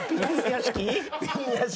ピン屋敷？